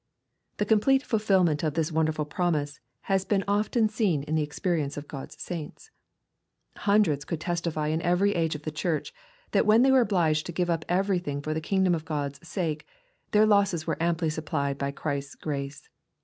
The complete fulfilment of this wonderful promise has been often seen in the experience of God's saints. Hun dreds could testify in every age of the church, that when they were obliged to give up everything for the kingdom of God's sake, their losses were amply supplied b}'^ Christ's grace.